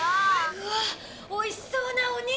うわっ美味しそうなお肉！